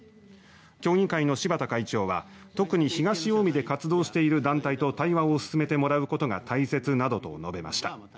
協議会の柴田会長は特に東近江で活動している団体と対話を進めてもらうことが大切などと述べました。